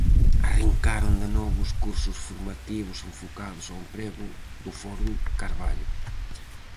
Arrincaron de novo os cursos formativos enfocados ao emprego do Forum Carballo.